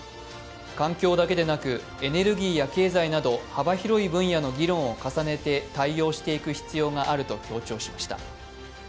環境だけでなくエネルギーや経済など幅広い分野の議論を重ねて対応していく必要があると強調しました。